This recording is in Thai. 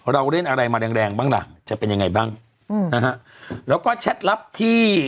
เราเล่นอะไรมาแรงแรงบ้างล่ะจะเป็นยังไงบ้างอืมนะฮะแล้วก็แชทลับที่